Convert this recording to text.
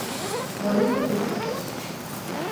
বলেন কী রসিকবাবু?